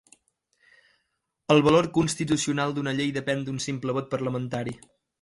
El valor constitucional d'una llei depèn d'un simple vot parlamentari.